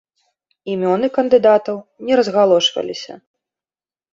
Імёны кандыдатаў не разгалошваліся.